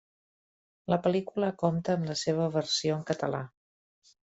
La pel·lícula compta amb la seva versió en català.